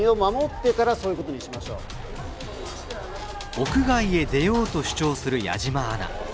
屋外へ出ようと主張する矢島アナ。